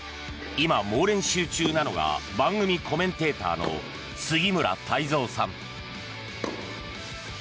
今、猛練習中なのが番組コメンテーターの杉村太蔵さん。